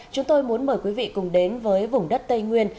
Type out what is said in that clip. chúng tôi muốn mời quý vị cùng đến với vùng đất tây nguyên